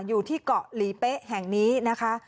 อยู่ที่เกาะหลีเป๊ะแห่งนี้นะคะ